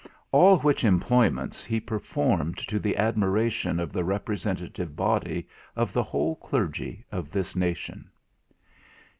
All which employments he performed to the admiration of the representative body of the whole Clergy of this nation.